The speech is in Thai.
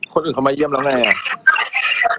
คนอื่นเค้าไม่เยี่ยมแล้วไงอ่ะ